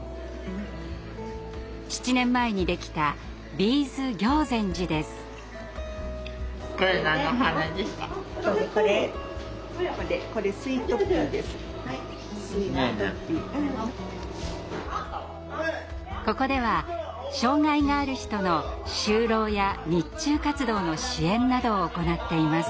７年前にできたここでは障害がある人の就労や日中活動の支援などを行っています。